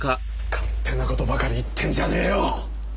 勝手な事ばかり言ってんじゃねえよ！